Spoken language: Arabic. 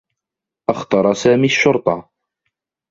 أخطر سامي الشّرطة.